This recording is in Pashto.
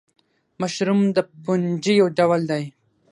مشروم د فنجي یو ډول دی